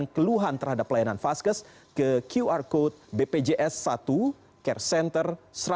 melaporkan keluhan terhadap pelayanan faskes ke qr code bpjs satu care center seratus ribu satu ratus enam puluh lima